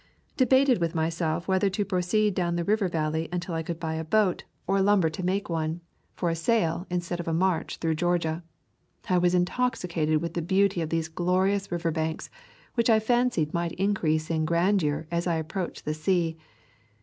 Debated with myself whether to proceed down the river valley until I could buy a boat, [ so J River Country of Georgia or lumber to make one, for a sail instead of a march through Georgia. I was intoxicated with the beauty of these glorious river banks, which I fancied might increase in grandeur as I approached the sea.